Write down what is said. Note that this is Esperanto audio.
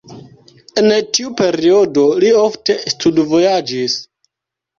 En tiu periodo li ofte studvojaĝis.